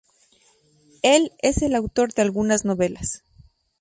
Él es el autor de algunas novelas.